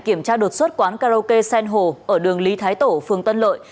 kiểm tra đột xuất quán karaoke sen hồ ở đường lý thái tổ phường tân lợi